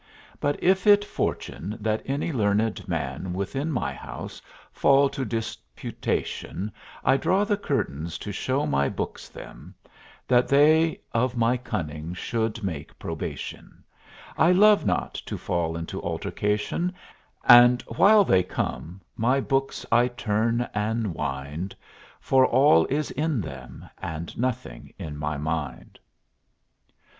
But if it fortune that any learned man Within my house fall to disputation, I draw the curtains to show my books them, That they of my cunning should make probation; I love not to fall into altercation, And while they come, my books I turn and wind, For all is in them, and nothing in my mind.